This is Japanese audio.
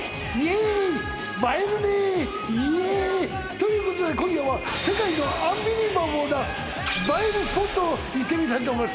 ということで今夜は世界のアンビリバボーな映えるスポットをいってみたいと思います。